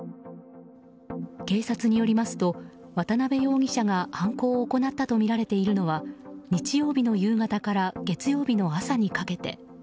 警察によりますと渡辺容疑者が犯行を行ったとみられているのは日曜日の夕方から月曜日の朝にかけて。